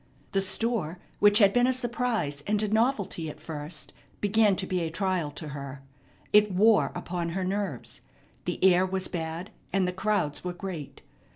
The store, which had been a surprise and a novelty at first, began to be a trial to her. It wore upon her nerves. The air was bad, and the crowds were great.